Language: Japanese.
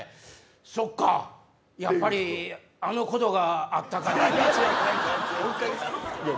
そっか、やっぱりあのことがあったから。